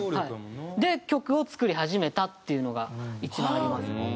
で曲を作り始めたっていうのが一番ありますね。